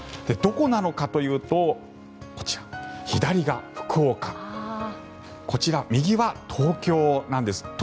どこなのかというと左が福岡、右は東京なんです。